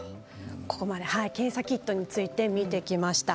検査キットについて見ていきました。